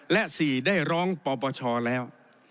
และ๔ได้ร้องปปชแล้ว